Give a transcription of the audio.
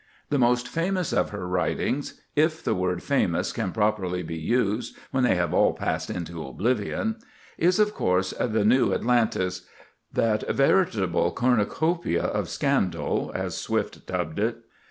The most famous of her writings—if the word famous can properly be used, when they have all passed into oblivion—is, of course, the "New Atalantis"—that veritable "cornucopia of scandal," as Swift dubbed it.